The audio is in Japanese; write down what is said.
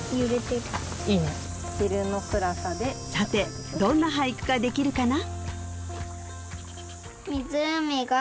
さてどんな俳句ができるかな？